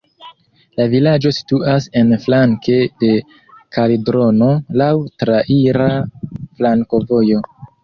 La vilaĝo situas en flanke de kaldrono, laŭ traira flankovojo.